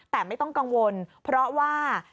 แต่ไม่ต้องกังวลเพราะว่า